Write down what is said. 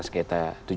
di sengketa tujuh belas